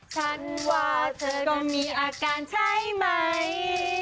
ฉันว่าเธอก็มีอาการใช่ไหม